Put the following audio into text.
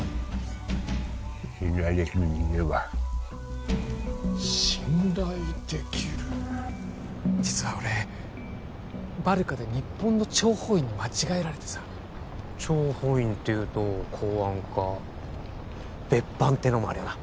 信頼できる人間は信頼できる実は俺バルカで日本の諜報員に間違えられてさ諜報員っていうと公安か別班ってのもあるよな